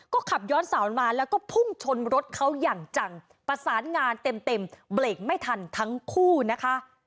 ก็ขับย้อนสอนมาแล้วก็พุ่งชนรถเขาอย่างจังประสานงานเต็มเต็มเบรกไม่ทันทั้งคู่นะคะ